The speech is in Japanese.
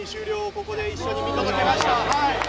ここで一緒に見届けました。